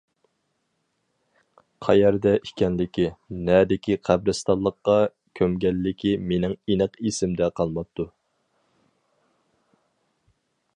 قەيەردە ئىكەنلىكى، نەدىكى قەبرىستانلىققا كۆمگەنلىكى مېنىڭ ئېنىق ئېسىمدە قالماپتۇ.